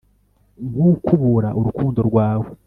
nkukubura urukundo rwawe